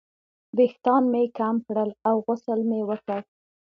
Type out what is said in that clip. ویښتان مې کم کړل او غسل مې وکړ.